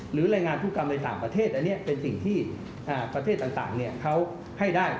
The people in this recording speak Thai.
แรงงานธุกรรมในต่างประเทศอันนี้เป็นสิ่งที่ประเทศต่างเขาให้ได้